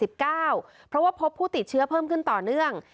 เพราะว่าพบผู้ติดเชื้อเพิ่มขึ้นต่อเนื่อง